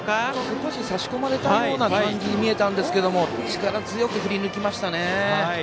少し、差し込まれたような感じに見えたんですが力強く振り抜きましたね。